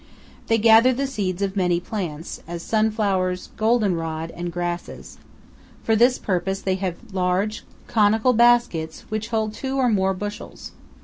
They gather the seeds of many plants, as sunflowers, golden rod, and grasses. For this purpose they have large conical baskets, which hold two or more bushels.